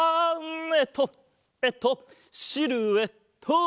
えっとえっとシルエット！